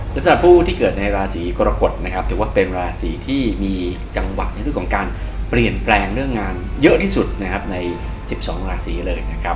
และสำหรับผู้ที่เกิดในราศีกรกฎนะครับแต่ว่าเป็นราศีที่มีจังหวะในเรื่องของการเปลี่ยนแปลงเรื่องงานเยอะที่สุดนะครับ